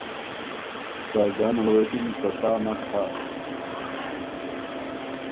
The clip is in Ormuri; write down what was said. ساجان ال غوېکِن که سا نک هۀ۔